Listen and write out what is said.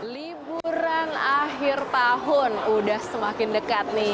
liburan akhir tahun udah semakin dekat nih